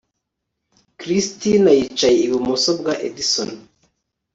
christina yicaye ibumoso bwa edson